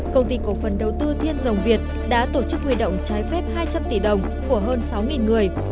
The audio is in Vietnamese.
công ty cổ phần đầu tư thiên dòng việt đã tổ chức huy động trái phép hai trăm linh tỷ đồng của hơn sáu người